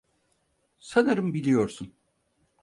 Sanırım biliyorsun.